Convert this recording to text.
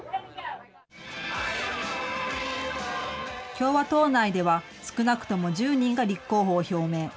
共和党内では、少なくとも１０人が立候補を表明。